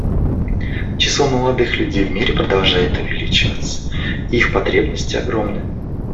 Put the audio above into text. Число молодых людей в мире продолжает увеличиваться, и их потребности огромны.